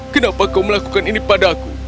kenapa kau melakukan ini padaku